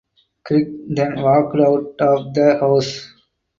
Crick then walked out of the house.